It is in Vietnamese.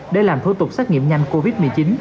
để làm thủ tục xét nghiệm nhanh covid một mươi chín